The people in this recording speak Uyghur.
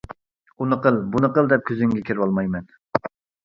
ئۇنى قىل، بۇنى قىل دەپ كۆزۈڭگە كىرىۋالمايمەن.